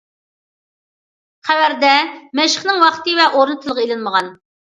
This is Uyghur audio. خەۋەردە مەشىقنىڭ ۋاقتى ۋە ئورنى تىلغا ئېلىنمىغان.